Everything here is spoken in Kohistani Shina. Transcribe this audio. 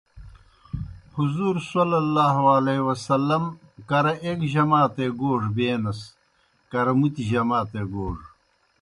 حضورؐ کرہ ایک جماتے گوڙہ بینَس، کرہ مُتیْ جماتے گوڙہ۔